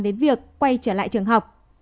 đến việc quay trở lại trường học